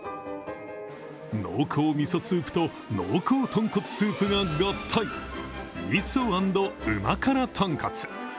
濃厚みそスープと濃厚豚骨スープが合体、味噌＆旨辛豚骨。